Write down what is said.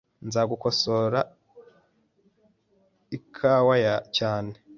Nzagukosora ikawa cyane.